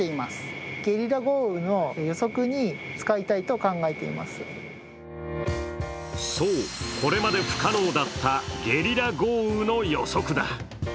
それはそう、これまで不可能だったゲリラ豪雨の予測だ。